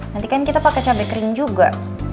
nanti kan kita pakai cabai kering juga